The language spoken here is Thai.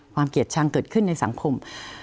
ความเกียจชังเกิดขึ้นในสังคม